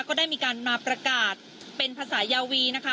ก็ได้มีการมาประกาศเป็นภาษายาวีนะคะ